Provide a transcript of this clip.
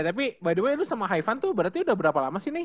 tapi by the way dulu sama hivan tuh berarti udah berapa lama sih nih